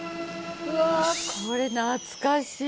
うわっこれ懐かしい。